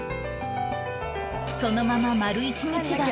そのまま丸一日が経過